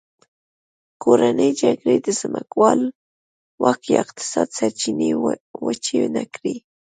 کورنۍ جګړې د ځمکوالو واک یا اقتصادي سرچینې وچې نه کړې.